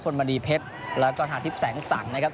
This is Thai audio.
มณีเพชรแล้วก็ทาทิพย์แสงสังนะครับ